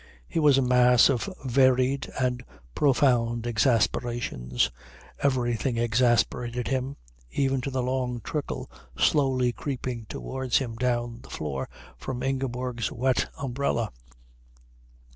He was a mass of varied and profound exasperations. Everything exasperated him, even to the long trickle slowly creeping towards him down the floor from Ingeborg's wet umbrella.